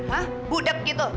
hah budep gitu